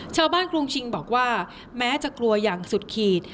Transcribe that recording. กรุงชิงบอกว่าแม้จะกลัวอย่างสุดขีด